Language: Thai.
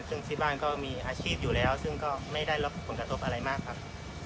ซึ่งที่บ้านก็มีอาชีพอยู่แล้วซึ่งก็ไม่ได้รับผลกระทบอะไรมากครับ